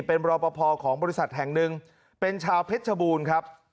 เป็นรอปภของบริษัทแห่งหนึ่งเป็นชาวเพชรชบูรณ์ครับ